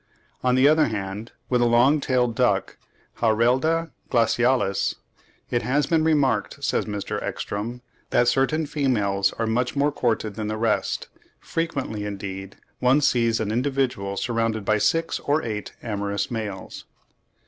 On the other hand, with the long tailed duck (Harelda glacialis), "it has been remarked," says M. Ekstrom, "that certain females are much more courted than the rest. Frequently, indeed, one sees an individual surrounded by six or eight amorous males."